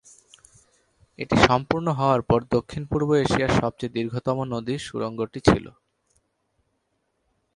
এটি সম্পূর্ণ হওয়ার পর দক্ষিণ-পূর্ব এশিয়ার সবচেয়ে দীর্ঘতম নদী সুড়ঙ্গটি ছিল।